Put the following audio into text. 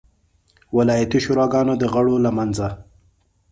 ولایتي شوراګانو د غړو له منځه.